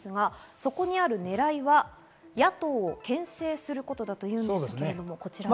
そこにある狙いは野党をけん制することだといいます。